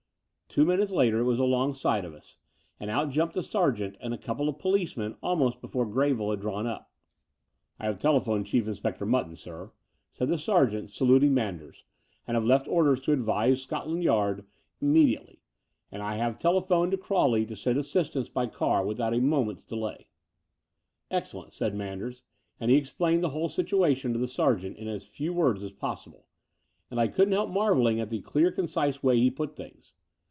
Two minutes later it was alongside of us; and out jumped a sergeant and a couple of policemen almost before GreviUe had drawn up. "I have telephoned Chief Inspector Mutton, 32 The Door of the Unreal sir/' said the s^geant, saluting Manders, "and have left orders to advise Scotlant Yard im mediately: and I have telephoned to Crawley to send assistance by car without a moment's delay." "Excellent," said Manders, and he explained the whole situation to the sergeant in as few words as possible; and I cotddn't help marvelling at the clear concise way he put things.